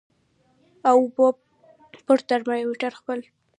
او اوبو په ترمامیټر خپل